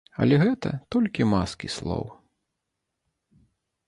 Але гэта толькі маскі слоў.